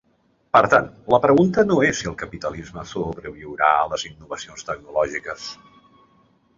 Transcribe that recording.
Per tant, la pregunta no és si el capitalisme sobreviurà a les innovacions tecnològiques.